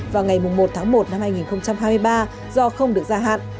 vào ngày một một hai nghìn hai mươi ba do không được gia hạn